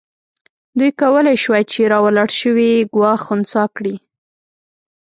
دوی کولای شوای چې راولاړ شوی ګواښ خنثی کړي.